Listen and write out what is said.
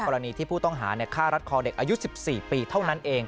กรณีที่ผู้ต้องหาในค่ารัฐคอเด็กอายุ๑๔นะครับ